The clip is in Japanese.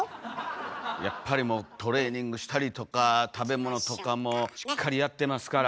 やっぱりトレーニングしたりとか食べ物とかもしっかりやってますから。